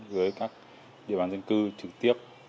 với các địa bàn dân cư trực tiếp